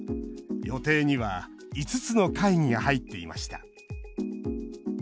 予定には５つの会議が入っていました。